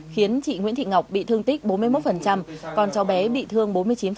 khiến chị nguyễn thị ngọc bị thương tích bốn mươi một con cháu bé bị thương bốn mươi chín